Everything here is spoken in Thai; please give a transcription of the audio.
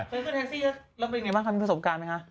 เคยขึ้นแท็กซี่แล้วแล้วเป็นยังไงบ้างทำความผิดสมการไหมฮะ